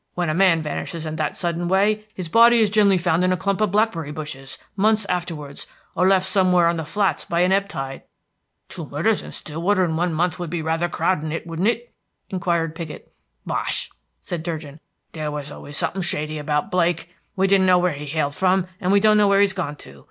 "When a man vanishes in that sudden way his body is generally found in a clump of blackberry bushes, months afterwards, or left somewhere on the flats by an ebb tide." "Two murders in Stillwater in one month would be rather crowding it, wouldn't it?" inquired Piggott. "Bosh!" said Durgin. "There was always something shady about Blake. We didn't know where he hailed from, and we don't know where he's gone to.